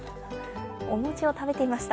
お餅を食べていました。